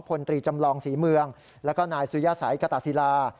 พลตรีจำลองศรีเมืองแล้วก็นายสุยสัยกตาศิลา